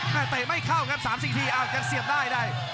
เตะไม่เข้าครับซามสินทีอ้าวกันเสียบได้ได้